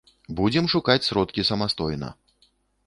Будзем шукаць сродкі самастойна.